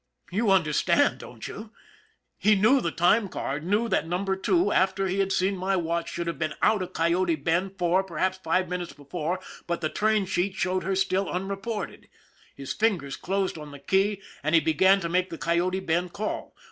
You understand, don't you ? He knew the time card, knew that Number Two, after he had seen my watch, should have been out of Coyote Bend four, perhaps five, minutes before, but the train sheet showed her still unreported. His fingers closed on the key and he began to make the Coyote Bend call.